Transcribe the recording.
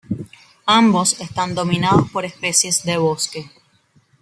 Ambos están dominados por especies de bosque.